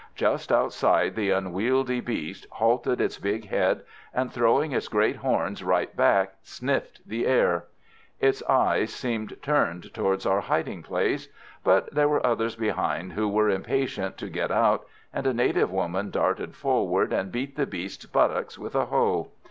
Just outside the unwieldy beast halted its big head, and, throwing its great horns right back, sniffed the air. Its eyes seemed turned towards our hiding place. But there were others behind who were impatient to get out, and a native woman darted forward, and beat the beast's buttocks with a hoe.